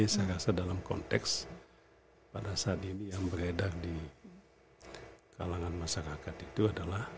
saya rasa dalam konteks pada saat ini yang beredar di kalangan masyarakat itu adalah